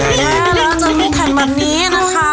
อ้าวแล้วจะมีแข่งแบบนี้นะคะ